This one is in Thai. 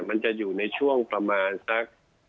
มันจะอยู่ในช่วงประมาณสัก